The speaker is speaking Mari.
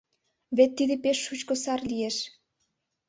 — Вет тиде пеш шучко сар лиеш!